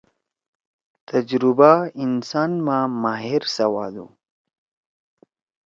تجرُبہ انسان ما ماہر سوادُو۔